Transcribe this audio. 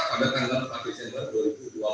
pada tanggal empat desember dua ribu dua puluh